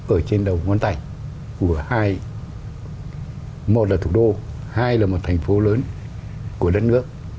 ở trên đầu ngón tay của hai một là thủ đô hai là một thành phố lớn của đất nước